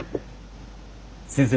先生